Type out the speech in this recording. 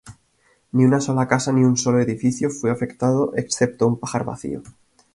Ni una sola casa ni un sólo edificio fue afectado excepto un pajar vacío.